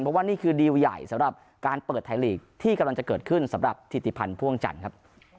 เพราะว่านี่คือดีลใหญ่สำหรับการเปิดไทยลีกที่กำลังจะเกิดขึ้นสำหรับถิติพันธ์พ่วงจันทร์ครับ